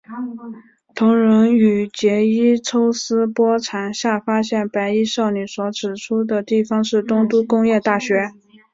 桐人与结依抽丝剥茧下发现白衣少女所指出的地方是东都工业大学。